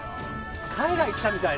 海外来たみたい！